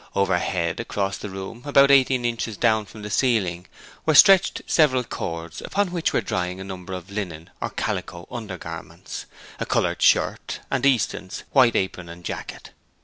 Overhead, across the room, about eighteen inches down from the ceiling, were stretched several cords upon which were drying a number of linen or calico undergarments, a coloured shirt, and Easton's white apron and jacket.